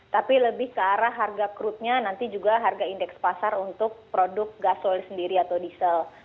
tapi lebih ke arah harga crude nya nanti juga harga indeks pasar untuk produk gasol sendiri atau diesel